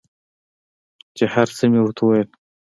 چې هر څه مې ورته وويل.